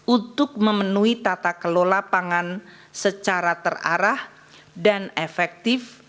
untuk memenuhi tata kelola pangan secara terarah dan efektif